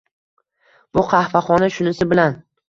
Bu qahvahxona shunisi bilan.